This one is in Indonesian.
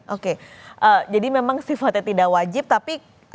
oke jadi memang sifatnya tidak wajib tapi